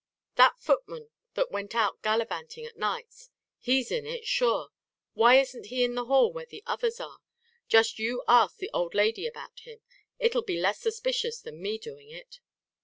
"That footman that went out gallavantin' at nights. He's in it, sure. Why isn't he in the hall where the others are? Just you ask the old lady about him. It'll be less suspicious than me doing it."